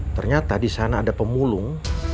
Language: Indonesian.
ternyata di sana ada pemulung